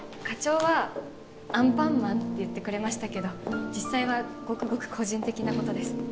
課長は「アンパンマン」って言ってくれましたけど実際はごくごく個人的なことです。